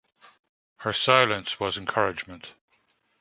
Her silence was encouragement.